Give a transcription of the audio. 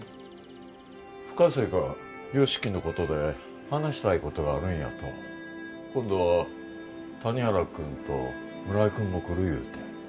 深瀬君由樹のことで話したいことがあるんやと今度谷原君と村井君も来るいうて